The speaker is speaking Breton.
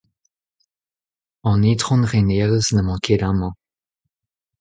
An itron renerez n'emañ ket amañ.